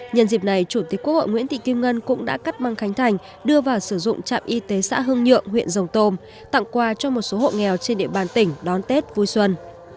nhân dịp này chủ tịch quốc hội nguyễn thị kim ngân cũng đã cắt băng khánh thành đưa vào sử dụng trạm y tế xã hương nhượng huyện rồng tồm tặng quà cho một số hộ nghèo trên địa bàn tỉnh đón tết vui xuân